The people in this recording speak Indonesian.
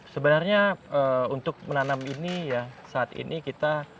sebenarnya untuk menanam ini ya saat ini kita